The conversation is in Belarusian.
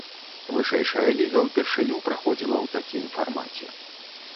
Вышэйшая ліга ўпершыню праходзіла ў такім фармаце.